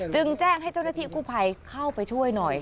จึงแจ้งให้เจ้าหน้าที่กู้ภัยเข้าไปช่วยหน่อย